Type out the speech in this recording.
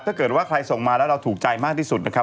ถ้าเกิดว่าใครส่งมาแล้วเราถูกใจมากที่สุดนะครับ